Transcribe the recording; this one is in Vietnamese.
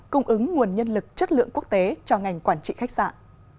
cung ứng nguồn nhân lực chất lượng quốc tế cho ngành quản trị khách sạn